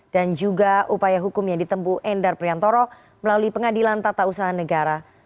dan juga upaya hukum yang ditempu endar priantoro melalui pengadilan tata usaha negara